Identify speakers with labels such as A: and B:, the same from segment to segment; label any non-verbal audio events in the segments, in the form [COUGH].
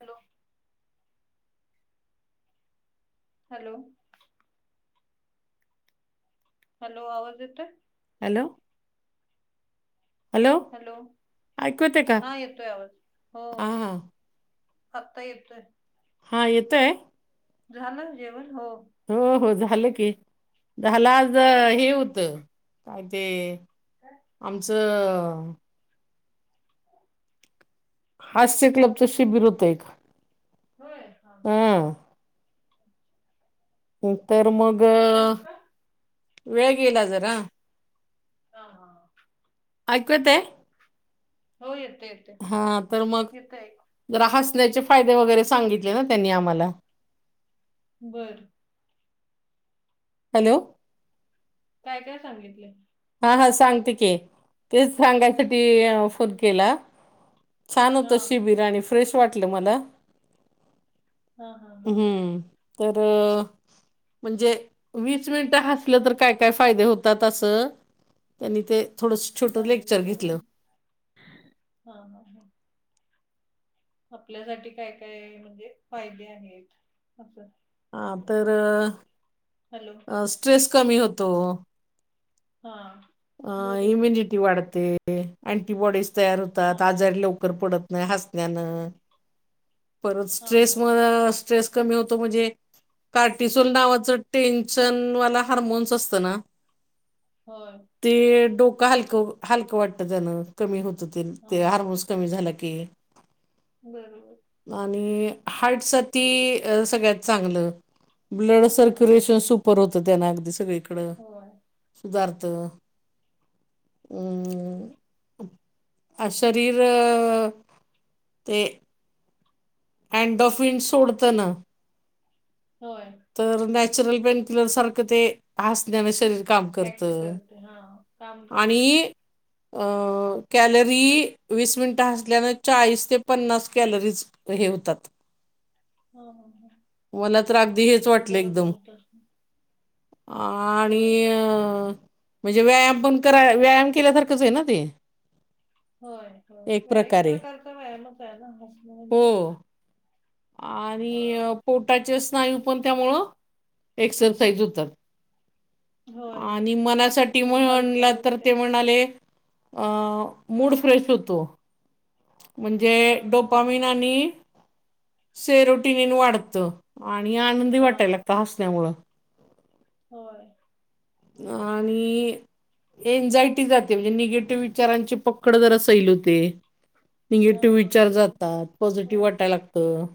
A: Hello hello hello, आवाज येतोय.
B: Hello
A: hello,
B: ऐकू येते का
A: हा येतोय आवाज. हो
B: हा हा
A: आता येतोय.
B: हा येतोय.
A: झाल जेवण. हो
B: हो हो झाल की. झाल आज
A: आवरलं
B: हे होत, काय ते
A: काय
B: आमच
A: [INAUDIBLE]
B: हास्य क्लबच शिबिर होत एक.
A: होय हा हा
B: तर मग
A: तिथेच का
B: वेळ गेला जरा.
A: ह हा
B: ऐकु येतय.
A: हो येते.
B: हा तर मग,
A: येत ऐकू
B: जरा हसण्याचे फायदे वगैरे सांगितले ना त्यांनी आम्हाला.
A: बरं.
B: हॅलो.
A: काय काय सांगितलं?
B: हा हा सांगते की, तेच सांगायसाठी फोन केला. छान
A: हा
B: होतं शिबिर आणि फ्रेश वाटलं मला.
A: हा हा हा
B: हम्म, तर. म्हणजे वीस मिनिटं हसलं तर काय-काय फायदे होतात असं त्यांनी ते थोडंस छोटं लेक्चर घेतलं
A: सांगितलं हा, हा. आपल्यासाठी काय-काय म्हणजे फायदे आहेत, असं.
B: हा तर.
A: हॅलो.
B: स्ट्रेस कमी होतो.
A: हा.
B: अ
A: बरोबर
B: इम्यनिटी वाढते. अँटीबॉडीज तयार
A: हा
B: होतात. आजारी लोक लवकर पडत नाही हसल्यानं. परत
A: हा हा हा हा
B: स्ट्रेसमुळे, स्ट्रेस कमी होतो म्हणजे कोर्टिसॉल नावाचं टेन्शन वाला हार्मोन्स असतं ना.
A: होय.
B: ते डोकं हलकं-हलकं वाटतं त्यानं. कमी होत,
A: हा
B: ते
A: हा
B: हार्मोन्स कमी झाला की.
A: बरोबर.
B: आणि हार्ट साठी सगळ्यात चांगलं, ब्लड
A: हा हा
B: सर्क्युलेशन
A: हा
B: सुपर होत त्यानं, अगदी सगळीकड
A: होय
B: सुधारत. हम. शरीर ते. अँडोफिन सोडत ना...
A: होय.
B: तर नॅचरल पेन क्लियर सारखं ते. हसण्यान शरीर काम करत
A: ऍक्ट करते हा काम
B: आणि
A: करते.
B: अ कॅलरी, वीस मिनिटं हासल्याने, चाळीस ते पन्नास कॅलरीज हे होतात.
A: हा हा हा
B: मला तर अगदी हेच वाटलं
A: बर
B: एकदम.
A: नव्हतं
B: आणि
A: होय
B: अ. म्हणजे व्यायाम पण करा, व्यायाम केल्यासारखंच आहे ना ते.
A: होय एक प्रकारचा व्यायामच आहे ना, हसणं
B: हो
A: म्हणजे. होय
B: आणि पोटाचे स्नायू पण त्यामुळं एक्सरसाईज होतात.
A: होय
B: आणि
A: त्याची
B: मनासाठी
A: पण
B: म्हणला
A: हालचाल
B: तर
A: होते
B: ते म्हणाले अ मूड फ्रेश होतो. म्हणजे
A: हा हा
B: डोपाविन, आणि सेरोटिनीन वाढतं. आणि आनंदी
A: हा
B: वाटायला
A: हा
B: लागतं हसण्यामुळं.
A: होय.
B: आणि. एन्झायटी जाते, म्हणजे निगेटिव्ह विचारांची पकड जरा सैल होते.
A: हा
B: निगेटिव्ह विचार
A: बरोबर
B: जातात. पॉझिटिव्ह
A: होय
B: वाटायला लागतं.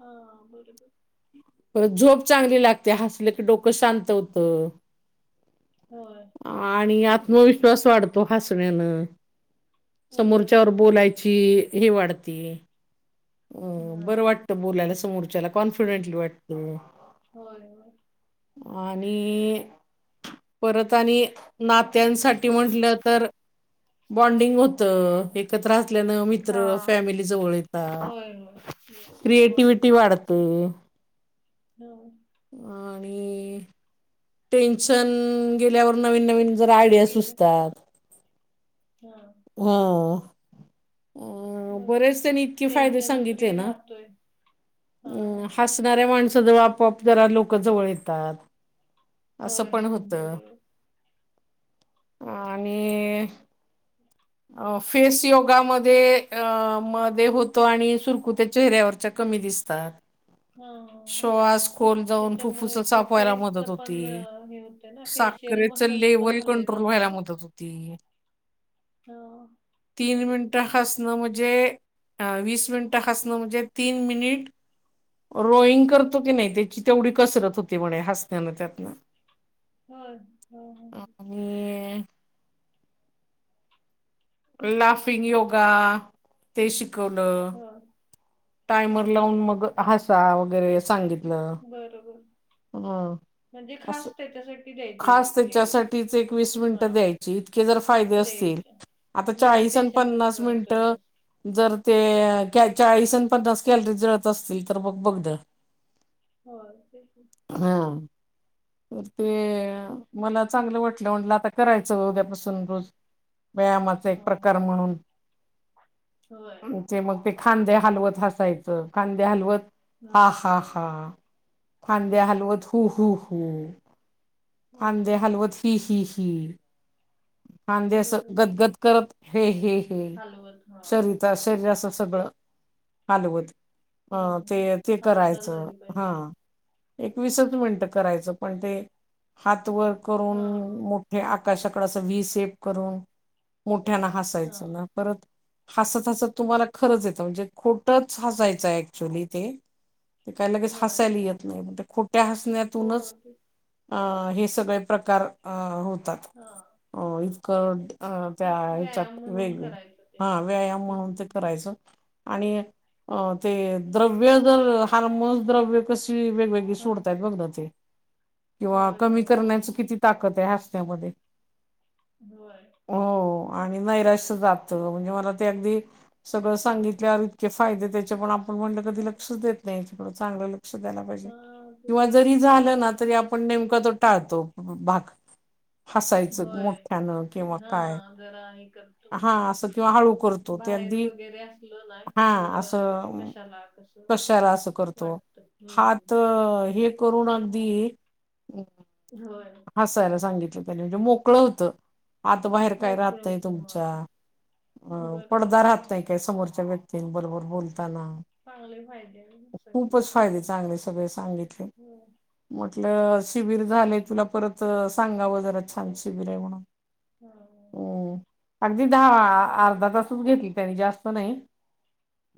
A: हा, बरोबर.
B: परत झोप चांगली लागते. हसलं की डोकं शांत होतं.
A: होय.
B: आणि आत्मविश्वास वाढतो हसण्यानं... समोरच्यावर
A: बरोबर
B: बोलायची हे वाढती अ
A: हा
B: बरं वाटतं बोलायला समोरच्याला, कॉन्फिडेंटली वाटत.
A: होय, होय,
B: आणि, परत आणि नात्यांसाठी म्हंटलं तर बॉन्डिंग होत. एकत्र असल्यान मी मित्र, फॅमिली जवळ येतात.
A: तर मग हसूया. [INAUDIBLE]
B: क्रिएटिविटी वाढते.
A: हो
B: आणि, टेन्शन गेल्यावर नवीन- नवीन जरा आयडिया
A: गेलं
B: सुचातात.
A: हा [UNINTELLIGIBLE]
B: हा.
A: बरोबर
B: बरेच त्यांनी इतके फायदे
A: टेन्शन
B: सांगितले
A: फ्री
B: ना,
A: राहतोय
B: अ
A: हा
B: हास हासणाऱ्या माणसांजवळ आपोआप जरा लोक जवळ येतात. असं
A: होय.
B: पण होत.
A: बरोबर.
B: आणि
A: ह [INAUDIBLE]
B: अ फेस योगामध्ये अ मध्ये होत आणि सुरकुत्या चेहऱ्यावरच्या कमी दिसतात. सात [UNINTELLIGIBLE]
A: हां.
B: श्वास खोल जाऊन, फुफ्फुस
A: त्याच्यामुळे ते
B: साफवायला मदत
A: फेसचं
B: होती.
A: पण अ, हे होते ना, फेशियल
B: साखरेच
A: मसल्स पण
B: लेव्हल
A: हल्ले
B: कंट्रोल व्हायला
A: जातात
B: मदत होती.
A: हो.
B: तीन मिनिटं हासणं म्हणजे, वीस मिनिटं हासणं म्हणजे, तीन मिनिट रॉईंग करतो की नाही, त्याची तेवढी कसरत होती म्हणे हसण्यानं त्यातन
A: होय, हो हो
B: ज [UNINTELLIGIBLE] लाफिंग योगा, ते शिकवलं.
A: हां,
B: टायमर लावून
A: हां.
B: मग हसा वगैरे सांगितलं.
A: बरोबर,
B: ह
A: म्हणजे
B: असं
A: खास त्याच्यासाठी द्यायचे
B: खास
A: ते
B: त्याच्यासाठीच एक वीस मिनिटं
A: हां,
B: द्यायची, इतके जर फायदे असतील
A: द्यायचे.
B: आता चाळीस आणि
A: मेडिटेशन कसं
B: पन्नास
A: करतोय
B: मिनटं
A: तसं.
B: जर ते चाळीस आणि पन्नास कॅलरी जळत असतील तर मग बघ ना [INAUDIBLE]
A: होय, तेच की.
B: हा. तर ते मला चांगलं वाटलं, म्हटलं आता करायचं उद्यापासून रोज. व्यायामाचा एक
A: हां.
B: प्रकार म्हणून
A: होय.
B: ते मग ते खांदे हलवत हासायचं, खांदे हलवत हा
A: हां.
B: हा हा खांदे
A: हां.
B: हलवत हु हु हू
A: हां,
B: खांदे
A: हां.
B: हलवत, ही ही ही ही खांदे अस
A: बरोबर.
B: गदगद करत हे हे हे
A: हलवत. हां.
B: शरी ज्या शरीराचं सगळं हालवत अ ते
A: हं.
B: ते
A: हालचाल
B: करायचं
A: झाली
B: हा
A: पाहिजे.
B: एक वीसच मिनिटं करायचं पण ते, हात वर करून,
A: हां.
B: मोठे आकाशाकडे, अस व्ही सेप करून, मोठ्यांना
A: हां.
B: हसायचं ना परत, हसत-हसत तुम्हांला खरंच येतं, म्हणजे खोटंच हसायचंय ऍक्च्युली ते. ते काय लगेच
A: होय.
B: हसायला येत नाही, पण त्याखोट्या हसण्यातूनच
A: हो.
B: अन् हे सगळे प्रकार अं होतात.
A: हा
B: हो इचकट अ त्या
A: तेच व्यायाम
B: ह्याच्यात
A: म्हणून
B: वेग
A: करायचं ते.
B: हा व्यायाम म्हणून ते
A: हम्म.
B: करायचं, आणि ते द्रव्य जर हार्मोन्स द्रव्य कशी वेगवेग ळी सोडतायत बघ ना ते. किंवा
A: होय होय
B: कमी
A: होय
B: करण्याची किती ताकद आहे हास्यामध्ये.
A: होय
B: हो आणि नैराश्य जातं म्हणजे मला ते अगदी- सगळं सांगितल्यावर इतके फायदे त्याच्यामुळं मग म्हणलं कधी
A: हो
B: लक्षच देत नाही, थोडं चांगल लक्ष द्यायला पाहिजे
A: हा तेच
B: किंवा जरी झाल ना तरी आप पण नेमका तो टाळतो भाग, हसायचं
A: होय.
B: मोठ्यानं किंवा
A: हा
B: काय
A: जरा एकर हॅलो
B: हा असं किंवा हळू करतो ते
A: बाहेर
B: अगदी
A: वगैरे असलं ना
B: हा
A: कि थोडं
B: असं
A: कशाला कश
B: कशाला अस करतो हात अ हे करून अगदी
A: होय.
B: हासायला सांगितलं त्यांनी म्हणजे मोकळ होतं. आता बाहेर काय
A: मोकळ
B: राहतंय
A: होत हा
B: तुमच्या अ
A: बरोबर.
B: पडदा राहतो. य काही समोरच्या व्यक्तींबरोबर बोलताना
A: चांगले फायदे आहेत सगळे.
B: खूपच फायदे चांगले सगळे सांगितले.
A: होय
B: म्हटलं शिबिर झालंय तुला परत अ सांगावं जरा छान शिबिर आहे म्हणून
A: हां हां
B: हम्म. अगदी दहा आ अर्धा तासच घेतली त्यांनी जास्त नाही.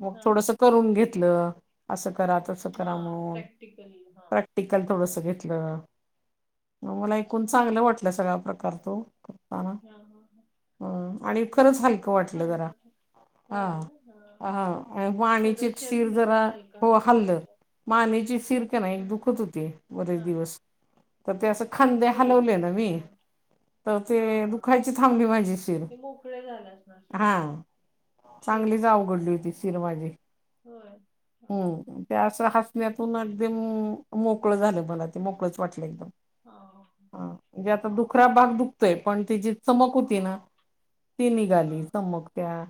B: मग
A: हा
B: थोडसं करून घेतलं असं करा, तसं
A: हा
B: करा म्हणून
A: प्रॅक्टिकली हा
B: प्रॅक् टीकल थोडस घेतलं, - मला एकूण चांगलं वाटलं सगळा प्रकार तो
A: हां हां हा
B: हा आणि खरंच हलकं वाटलं जरा
A: चांगलं
B: हा
A: होय ना हा
B: हा मानेची
A: सगळं
B: एक शीर
A: शरीर असं
B: जरा
A: हलकं
B: हो
A: हलकं
B: हल्लं
A: वाटलं.
B: मानेची शिर क नाही
A: ह
B: एक दुखत होती, बरेच
A: हा
B: दिवस तर ते असं खांदे
A: दुखत होती.
B: हलवले ना मी
A: ह
B: तर ते
A: हा हा
B: दुखायची थांबली माझी शिर
A: ते मोकळे झाले असणार सगळे
B: हा
A: शिर
B: चांगलीच आवघडली होती शिर माझी
A: होय. हा
B: हुं ते असं हसण्यातून अगदी मु मोकळं झालं मला ते, मोकळच वाटलं एकदम.
A: हा हा
B: म्हणजे आता दुखरा भाग दुखतोय पण तिची चमक होती ना-, ती
A: हा हा
B: निघाली तर चमक त्या,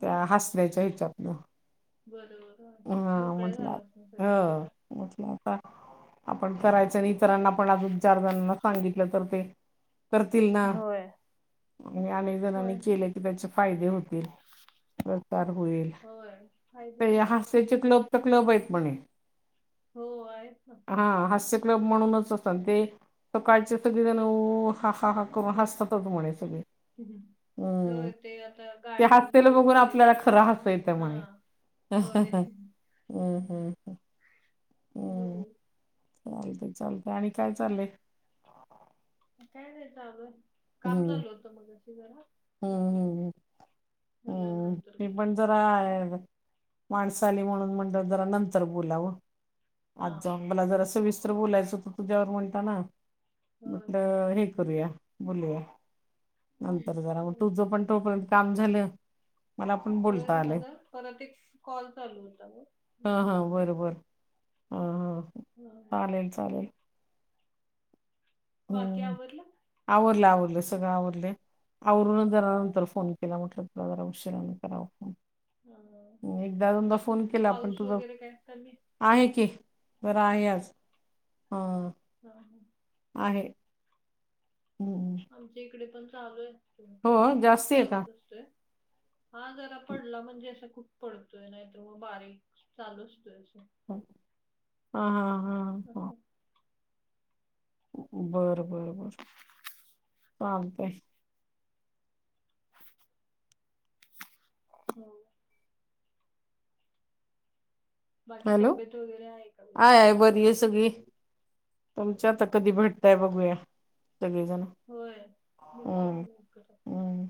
B: त्या हसर्याच्या हेच्यातनं
A: बर, बर मोकळ्या झाल्या असणार सगळ्या शिरा
B: हो म्हटलं
A: किती?
B: आता आपण करायचं आणि इतरांना पण अजून चार जणांना सांगितलं तर ते करतील ना,
A: होय.
B: म्ह आणि अनेक जणांनी
A: होय
B: केले की त्याचे फायदे होतील. प्रचार होईल,
A: होय फायदे
B: तर या
A: आहेत
B: हास्याचे
A: भरपूर
B: क्लब तर क्लब आहेत म्हणे?
A: हो आहेत ना.
B: हा हास्यकलब म्हणूनच असन ते, सकाळचे सगळे जण उ हा हा हा. हो हासतात म्हणे सगळे, हम्म
A: होय ते आता
B: ते हास
A: गार्डन
B: ते
A: मध्ये
B: बघून
A: वगैरे
B: आपल्याला खरं
A: जातात
B: हासु येतय
A: हा
B: म्हणे. हम्मम,
A: होय.
B: हम्म, हम्म म
A: [UNINTELLIGIBLE]
B: चालतय चालतय आणि काय चालय?
A: काय नाही चालुय काम
B: हम्म
A: चालू होतं मगाशी जरा
B: हम्म हम्म.
A: ह [UNINTELLIGIBLE]
B: हम्म मी पण जरा माणसं आली म्हणून म्हंटलं जरा नंतर बोलावं
A: हा
B: आज
A: हा
B: जाऊन मला जरा सविस्तर बोलायचं होतं तुझ्यावर म्हणताना
A: होय होय.
B: म्हटलं हे करूया बोलूया नंतर जरा मग
A: चाल-
B: तुझं पण तोपर्यंत काम झालं मला पण
A: होय
B: बोलता आलंय.
A: झालं परत एक स कॉल चालू होता ग
B: हा
A: मग
B: हा बरोबर ह ह
A: हा
B: चालेल चालेल
A: बाकी
B: हम्म
A: आवरलं?
B: आवरलं आवरल सगळं आवरलय आवरूनचं जरा नंतर फोन केला म्हटलं जरा उशिराने करावं
A: हा
B: फोन एकदा दोनदा फोन केला पण
A: पाऊस
B: तुझ
A: वगैरे काय कमी?
B: आहे की बरं आहे आज हं
A: [UNINTELLIGIBLE]
B: आहे. हम्म.
A: आमच्या इकडे पण चालू ये
B: हो
A: कंटिन्युअस
B: जास्ती आहे का
A: चालूच असतय. हा जरा पडला म्हणजे असं कूठ पडतोय नाही तर म बारीक चालू असतोय असं
B: हा हा हा हा
A: असं
B: बरं बरं बर चालतय
A: होय बाकी तब्येत वगैरे आहे का व्यवस्थित?
B: ये सगळी तुमच्या आता
A: हा
B: कधी भेटताय बघूया सगळीजण.
A: होय भेटू या लवकर आता.
B: हम्म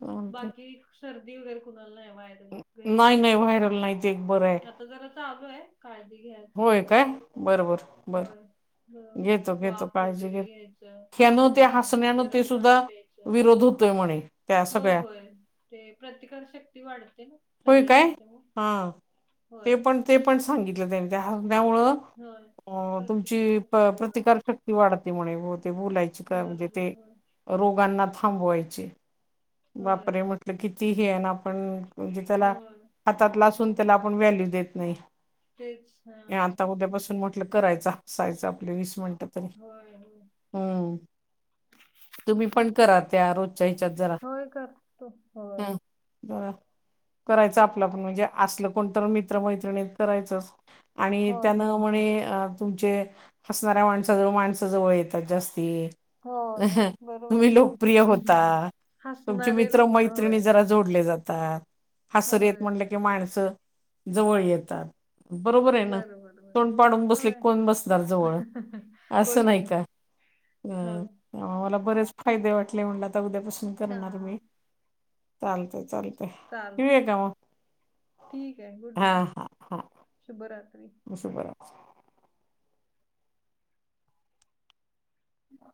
B: चालतंय
A: बाकी सर्दी वगैरे कुणाला नाही वायरल घरी
B: नाही नाही
A: कुणाला?
B: व्हायरल नाही ते एक बरं आहे
A: जरा चालूये काळजी घ्यायची
B: होय
A: जरा
B: काय बरं बरं
A: होय.
B: बरं
A: हं
B: घेतो घेतो
A: वाफ
B: काळजी
A: वगैरे
B: घेतो
A: घ्यायचं
B: ह्यानं ते
A: अधूनमधून
B: हसण्यानं ते
A: गरम
B: सुद्धा
A: पाणी प्याय
B: विरोध होतोय म्हणे. त्या
A: होय
B: सगळ्या
A: होय ते प्रतिकारशक्ती वाढते ना.
B: होय
A: सगळ्या
B: काय
A: ह्याच्यामुळे
B: हा
A: होय
B: ते पण ते पण सांगितलं त्यानी त्या हरण्यामुळं.
A: होय
B: अ
A: प्रतिकार
B: तुमची प
A: शक्ती वाढ
B: प्रतिकार शक् क्ती वाढते म्हणे ते बोलायची का म्हणजे ते
A: बरोबर होय
B: रोगांना थांबवायची.
A: होय
B: बापरे
A: होय
B: म्हटलं किती हे आहे ना आपण म्हणजे त्याला
A: होय
B: हातातल असून त्याला आपण व्हॅल्यू देत नाही.
A: तेच हा
B: आता उद्यापासून म्हटलं करायचं, हसायचं आपले वीस मिनटं.
A: होय होय
B: हम्म. तुम्ही पण करा, त्या रोजच्या हिच्यात जरा
A: होय, कर ते
B: हं. बरं, करायचं आपलं आपण म्हणजे असलं कोणी तर, मित्र मैत्रिणीत करायचं. आणि
A: होय
B: त्यानं मग
A: होय
B: म्हणे अं [UNINTELLIGIBLE] हंसणाऱ्या माणसाजवळ माणसाजवळ येतात जास्ती.
A: होय बरोबर
B: तुम्ही
A: आहे
B: लोकप्रिय
A: की
B: होता. तुमची
A: हसणारे
B: मित्र
A: लोक
B: मैत्रिणी
A: होय
B: जरा जोडले जातात. हसरेयेत
A: होय,
B: म्हणलं
A: होय.
B: की, माणस जवळ येतात. बरोबरेना,
A: बरोबर, बरोबर.
B: तोंड पाडून बसले की,
A: होय.
B: कोण बसणार जवळ? असं
A: कोणी
B: नाही
A: पण.
B: का.
A: होय.
B: हम्म, आम्हाला बरेच फायदे वाटले म्हणलं, आता उद्यापासून करणार. मी
A: हां.
B: चालतंय चालत
A: चालतेय, ठीक आहे. गुड
B: हां
A: नाईट,
B: हां हां
A: शुभरात्री.
B: शुभरात्री.